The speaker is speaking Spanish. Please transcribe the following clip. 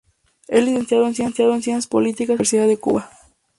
Es licenciado en Ciencias políticas por una universidad de Cuba.